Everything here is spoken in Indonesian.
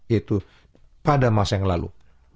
yaitu pada masa yang lalu